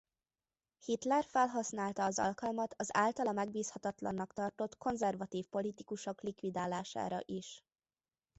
Hitler felhasználta az alkalmat az általa megbízhatatlannak tartott konzervatív politikusok likvidálására is.